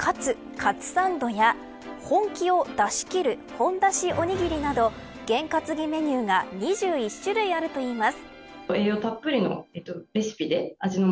カツサンドや本気を出し切るほんだしおにぎりなど験担ぎメニューが２１種類あるといいます。